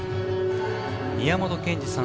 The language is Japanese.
宮本賢二さん